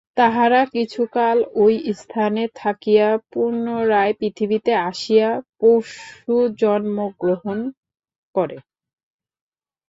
তাহারা কিছুকাল ঐস্থানে থাকিয়া পুনরায় পৃথিবীতে আসিয়া পশুজন্ম গ্রহণ করে।